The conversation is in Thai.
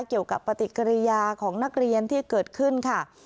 เกี่ยวกับปฏิกิริยาของนักเรียนที่เกิดขึ้นค่ะ